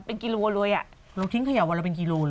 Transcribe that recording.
เป็นกิโลลวยล่ะเราทิ้งขยะวันแล้วเป็นกี่โลเลย